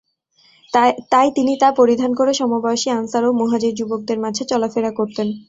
তাই তিনি তা পরিধান করে সমবয়সী আনসার ও মুহাজির যুবকদের মাঝে চলাফেরা করতেন।